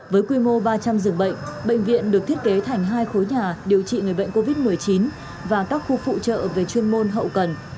với quy mô ba trăm linh dường bệnh bệnh viện được thiết kế thành hai khối nhà điều trị người bệnh covid một mươi chín và các khu phụ trợ về chuyên môn hậu cần